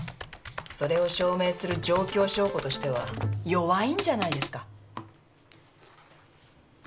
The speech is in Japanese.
それを証明する状況証拠としては弱いんじゃないですか？